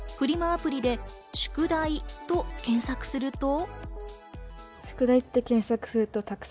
アプリで、宿題と検索すると。